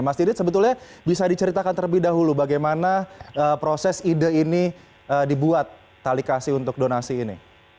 mas didit sebetulnya bisa diceritakan terlebih dahulu bagaimana proses ide ini dibuat talikasi untuk donasi ini